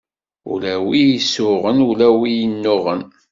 Ula wi isuɣen, ula wi innuɣen.